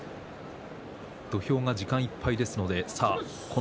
土俵が時間いっぱいです。